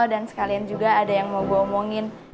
dan sekalian juga ada yang mau gue omongin